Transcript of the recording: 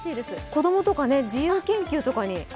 子供とか自由研究とかに。